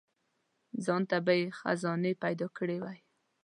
ځانته به یې خزانې پیدا کړي وای.